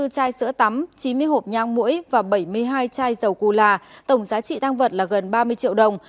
hai mươi bốn chai sữa tắm chín mươi hộp nhang mũi và bảy mươi hai chai dầu gula tổng giá trị tăng vật là gần ba mươi triệu đồng